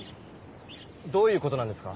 どういう事なんですか？